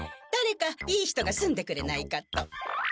だれかいい人が住んでくれないかと。